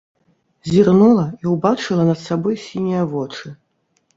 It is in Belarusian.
Зірнула і ўбачыла над сабой сінія вочы.